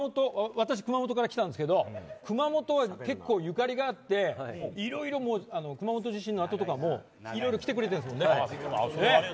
私、熊本から来たんですけど熊本が結構ゆかりがあって熊本地震のあととかもいろいろ来てくれてるんですよね。